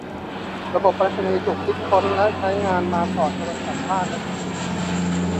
ระบบไปรษณีย์ถูกคิดค้นและใช้งานมาก่อนโทรศัพท์บ้านและมือถือ